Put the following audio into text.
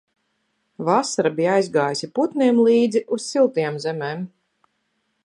Vasara bija aizgājusi putniem līdzi uz siltajām zemēm.